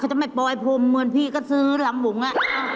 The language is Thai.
เขาจะไปป่อยพ่มเหมือนพี่ก็ซื้อหล่ำหมุงน่ะ